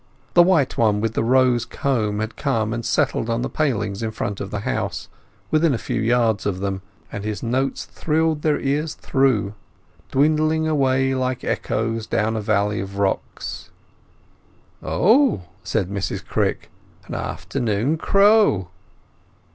The white one with the rose comb had come and settled on the palings in front of the house, within a few yards of them, and his notes thrilled their ears through, dwindling away like echoes down a valley of rocks. "Oh?" said Mrs Crick. "An afternoon crow!"